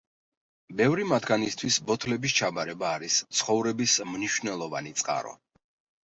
ბევრი მათგანისთვის ბოთლების ჩაბარება არის ცხოვრების მნიშვნელოვანი წყარო.